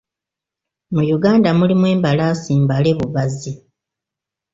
Mu Uganda mulimu embalaasi mbale bubazi